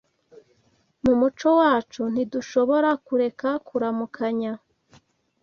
Mu muco wacu, ntidushobora kureka kuramukanya.